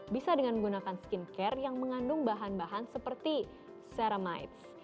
bisa dengan menggunakan skin care yang mengandung bahan bahan seperti ceramides